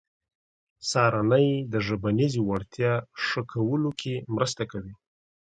سهارنۍ د ژبنیزې وړتیا ښه کولو کې مرسته کوي.